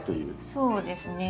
そうですね。